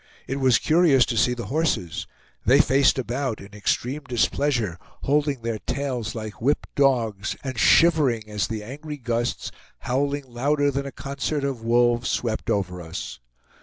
It was curious to see the horses; they faced about in extreme displeasure, holding their tails like whipped dogs, and shivering as the angry gusts, howling louder than a concert of wolves, swept over us.